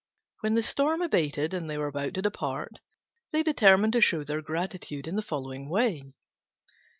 When the storm abated, and they were about to depart, they determined to show their gratitude in the following way.